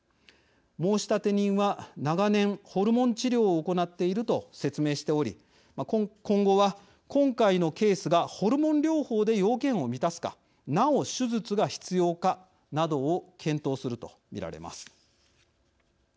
申立人は長年ホルモン治療を行っていると説明しており今後は今回のケースがホルモン療法で要件を満たすかなお手術が必要かなどを検討すると見られます。